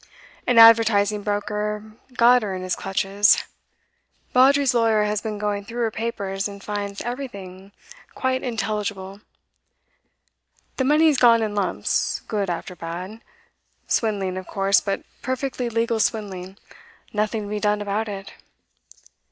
An advertising broker got her in his clutches. Vawdrey's lawyer has been going through her papers, and finds everything quite intelligible. The money has gone in lumps, good after bad. Swindling, of course, but perfectly legal swindling, nothing to be done about it.